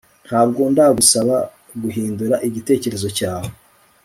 Ntabwo ndagusaba guhindura igitekerezo cyawe